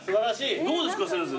どうですか先生。